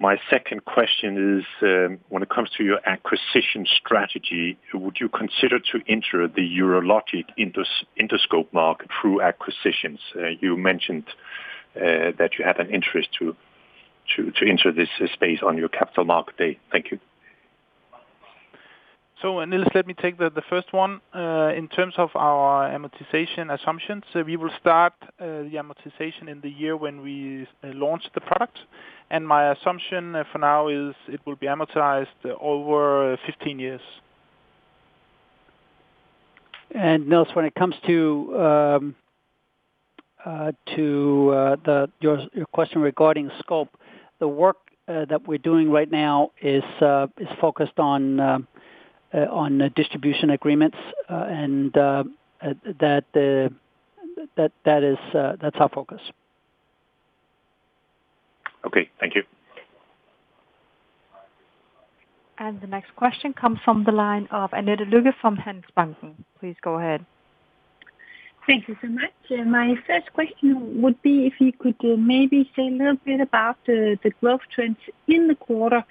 My second question is, when it comes to your acquisition strategy, would you consider entering the urologic endoscope market through acquisitions? You mentioned that you had an interest to enter this space on your capital market date. Thank you.
Niels, let me take the first one. In terms of our amortization assumptions, we will start the amortization in the year when we launch the product. My assumption for now is it will be amortized over 15 years. Niels, when it comes to your question regarding scope, the work that we're doing right now is focused on distribution agreements. That's our focus.
Okay, thank you.
The next question comes from the line of Annette Lykke from Handelsbanken. Please go ahead.
Thank you so much. My first question would be if you could maybe say a little bit about the growth trends in the quarter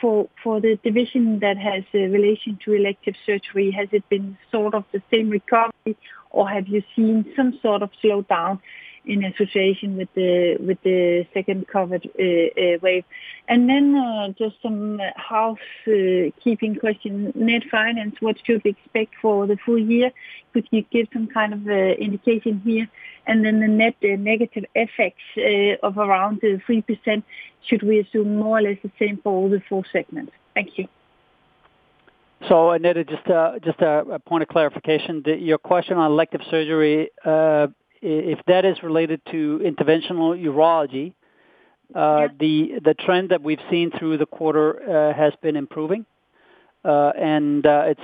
for the division that has a relation to elective surgery. Have you seen some sort of slowdown in association with the second COVID-19 wave? Just some housekeeping question, net finance, what should we expect for the full year? Could you give some kind of indication here? The net negative effects of around 3%, should we assume more or less the same for all the four segments? Thank you.
Annette, just a point of clarification. Your question on elective surgery, if that is related to interventional urology?
Yeah.
The trend that we've seen through the quarter has been improving. The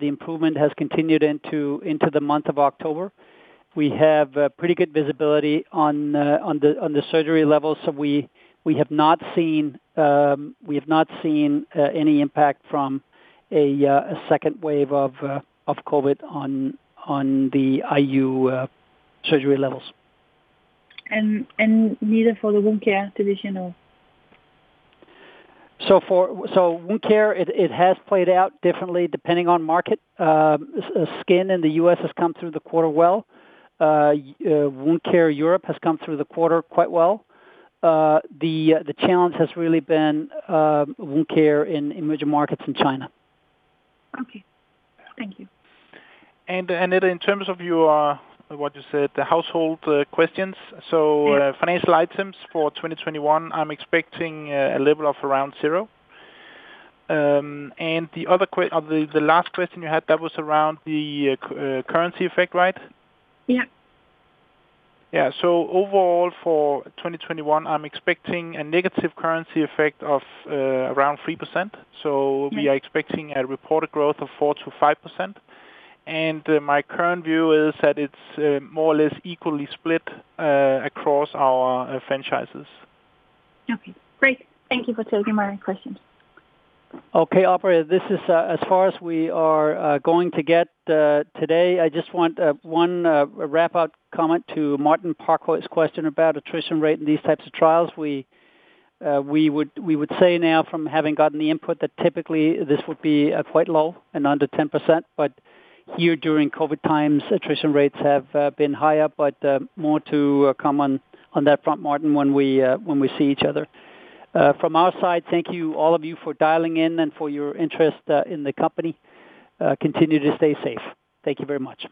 improvement has continued into the month of October. We have pretty good visibility on the surgery levels, so we have not seen any impact from a second wave of COVID on the IU surgery levels.
Neither for the Wound Care division or-
Wound Care, it has played out differently depending on market. Skin in the U.S. has come through the quarter well. Wound Care Europe has come through the quarter quite well. The challenge has really been Wound Care in emerging markets in China.
Okay. Thank you.
Annette, in terms of what you said, the housekeeping questions.
Yeah.
Financial items for 2021, I'm expecting a level of around zero. The last question you had, that was around the currency effect, right?
Yeah.
Yeah. Overall for 2021, I'm expecting a negative currency effect of around 3%. We are expecting a reported growth of 4%-5%. My current view is that it's more or less equally split across our franchises.
Okay, great. Thank you for taking my questions.
Okay, operator, this is as far as we are going to get today. I just want one wrap-up comment to Martin Parkhøi's question about attrition rate in these types of trials. We would say now from having gotten the input that typically this would be quite low and under 10%, here during COVID-19 times, attrition rates have been higher, more to come on that front, Martin, when we see each other. From our side, thank you, all of you, for dialing in and for your interest in the company. Continue to stay safe. Thank you very much.